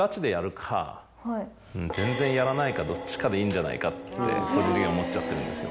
どっちかでいいんじゃないかって個人的に思っちゃってるんですよ。